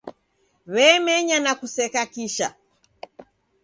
W'emenya na kuseka kisha.